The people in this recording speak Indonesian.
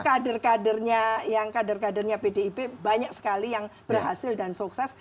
karena kader kadernya pdip banyak sekali yang berhasil dan sukses